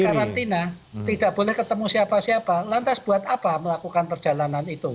karantina tidak boleh ketemu siapa siapa lantas buat apa melakukan perjalanan itu